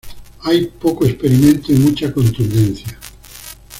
Hay poco experimento y mucha contundencia.